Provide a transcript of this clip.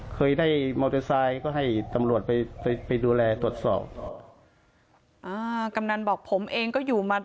กำนันบอกผมเองก็อยู่มา